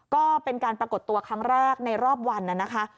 ก็เป็นการปรากฏตัวครั้งแรกในรอบวันนะคะ